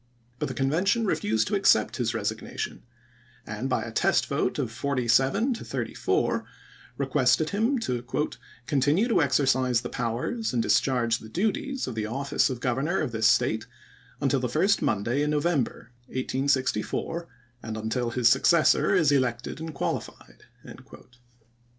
But the Convention refused to accept his resigna tion, and by a test vote of forty seven to thirty four requested him to " continue to exercise the powers and discharge the duties of the office of Governor of " ^tu^l^"^' this State until the first Monday in November, 1864, "jZe 23," and until his successor is elected and qualified." pp. 25,' 26.